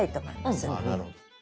あなるほど。